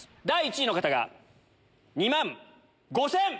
第１位の方が２万５千。